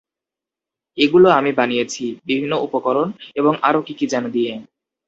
এগুলো আমি বানিয়েছি, বিভিন্ন উপকরণ এবং আরো কি কি যেনো দিয়ে।